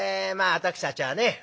私たちはね